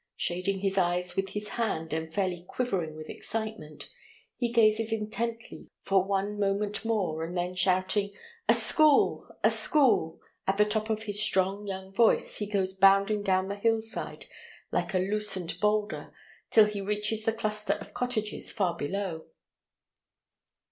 Shading his eyes with his hand, and fairly quivering with excitement, he gazes intently for one moment more, and then shouting, "A school! a school!" at the top of his strong young voice, he goes bounding down the hill side like a loosened boulder, till he reaches the cluster of cottages far below.